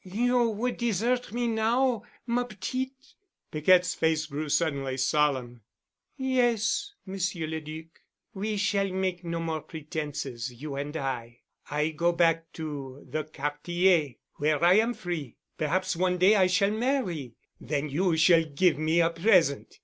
"You would desert me now, ma petite?" Piquette's face grew suddenly solemn. "Yes, Monsieur le Duc. We shall make no more pretenses, you and I. I go back to the Quartier where I am free. Perhaps one day I shall marry. Then you shall give me a present.